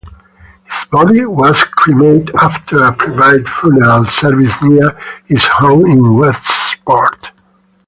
His body was cremated after a private funeral service near his home in Westport.